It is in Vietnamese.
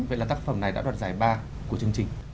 vậy là tác phẩm này đã đoạt giải ba của chương trình